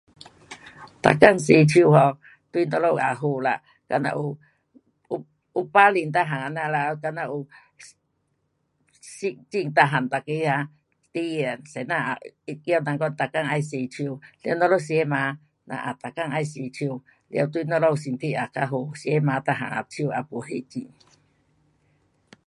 每天洗手 um 对咱们也好啦，等下有，有病毒每样这样啦，等下有细菌每样，每个啊，孩儿啊先生啊，叫人讲每天要洗手。咱们吃饭咱也每天要洗手。了对咱们身体也较好。吃饭每样啊手也没黑迹。